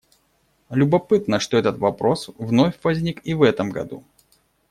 Любопытно, что этот вопрос вновь возник и в этом году.